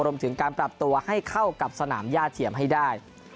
รวมถึงการปรับตัวให้เข้ากับสนามย่าเทียมให้ได้